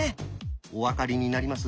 お分かりになります？